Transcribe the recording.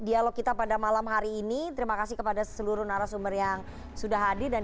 dialog kita pada malam hari ini terima kasih kepada seluruh narasumber yang sudah hadir dan